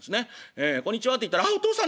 「こんにちは」って言ったら「ああお父さんですか？